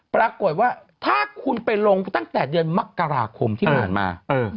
ปรากฏว่าถ้าคุณไปลงตั้งแต่เดือนมกราคมที่ผ่านมา